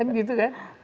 kan gitu kan